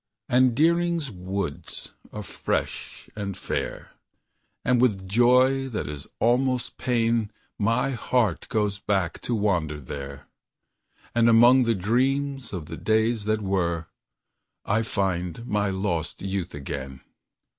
And Deering's Woods are fresh and fair, And with joy that is almost pain My heart goes back to wander there, And among the dreams of the days that were, I find my lost youth again.